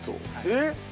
えっ？